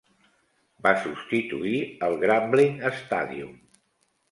Va substituir el "Grambling Stadium".